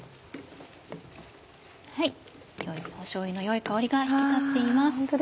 しょうゆの良い香りが引き立っています。